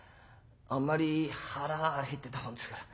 あんまり腹減ってたもんですから。